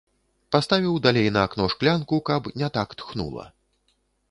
Паставіў далей на акно шклянку, каб не так тхнула.